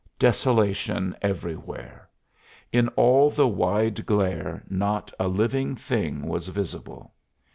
Desolation everywhere! In all the wide glare not a living thing was visible.